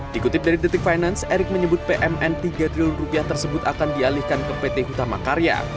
dikutip dari detik finance erick menyebut pmn tiga triliun rupiah tersebut akan dialihkan ke pt hutama karya